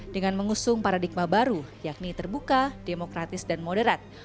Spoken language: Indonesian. dengan mengusung paradigma baru yakni terbuka demokratis dan moderat